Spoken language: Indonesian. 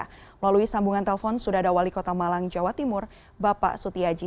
melalui sambungan telpon sudah ada wali kota malang jawa timur bapak suti haji